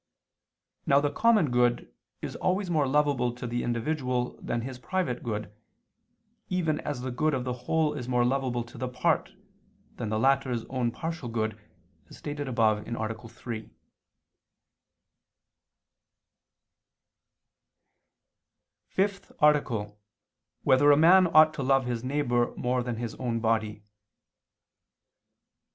Now the common good is always more lovable to the individual than his private good, even as the good of the whole is more lovable to the part, than the latter's own partial good, as stated above (A. 3). _______________________ FIFTH ARTICLE [II II, Q. 26, Art. 5] Whether a Man Ought to Love His Neighbor More Than His Own Body?